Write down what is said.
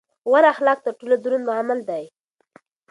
غوره اخلاق تر ټولو دروند عمل دی.